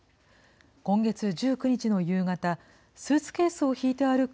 今月１９日の夕方、スーツケースを引いて歩く